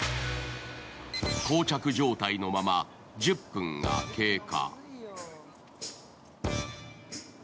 こう着状態のまま１０分が経過。